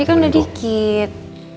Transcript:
nanti aku mau makan dikit